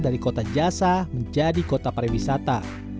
dari kota jasa menjadi kota para wisata